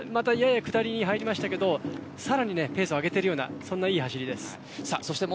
今、下り入りましたが、さらにペースを上げているようないい走りです。